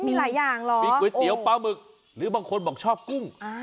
มีหลายอย่างหรอมีก๋วยเตี๋ยวปลาหมึกหรือบางคนบอกชอบกุ้ง